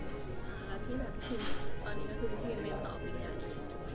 แล้วที่แบบคือตอนนี้ก็คือที่ยังไม่ตอบเป็นอย่างนี้